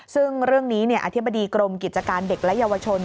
ซึ่งเรื่องนี้อธิบดีกรมกิจการเด็กและเยาวชน